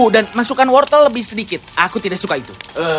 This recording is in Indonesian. dan masukkan wortel lebih sedikit aku tidak suka itu